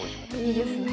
いいですね。